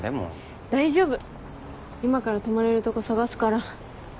今から泊まれるとこ探すから。